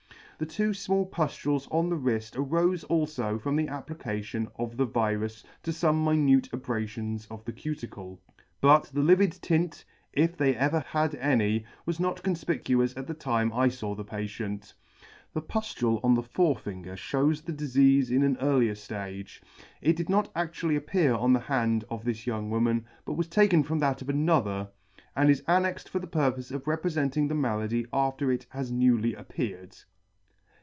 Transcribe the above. The two fmall puftules on the wrifts arofe alfo from the application of the virus to fome minute abrafions of the cuticle, but the livid tint, if they ever had any, was not confpicuous at the time I faw the patient. The puftule on the fore finger ftiews the difeafe in an earlier ftage. It did not actually appear on the hand of this young woman, but was taken from that of another, and is annexed for the purpofe of reprefenting the malady after it has newly appeared.